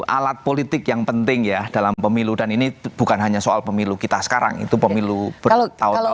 alat politik yang penting ya dalam pemilu dan ini bukan hanya soal pemilu kita sekarang itu pemilu bertahun tahun